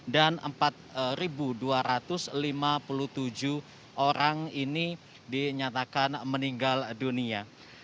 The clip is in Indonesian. dan empat dua ratus lima puluh tujuh orang ini dinyatakan meninggal dunia